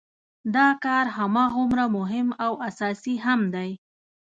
دا کار هماغومره مهم او اساسي هم دی.